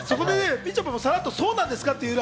みちょぱも、さらっとそうなんですかと言える。